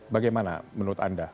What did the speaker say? bagaimana menurut anda